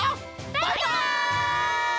バイバイ！